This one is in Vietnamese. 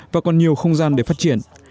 và còn nhiều không gian để phát triển